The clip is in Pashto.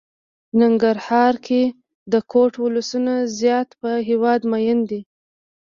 ننګرهار کې د کوټ ولسونه زيات په هېواد ميئن دي.